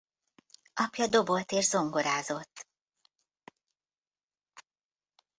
Apja dobolt és zongorázott.